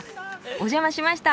お邪魔しました。